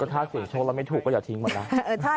ถ้าเสียงโชคแล้วไม่ถูกก็อย่าทิ้งหมดนะ